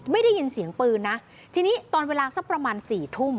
ได้ยินเสียงปืนนะทีนี้ตอนเวลาสักประมาณสี่ทุ่ม